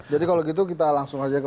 jadi kalau gitu kita langsung aja ke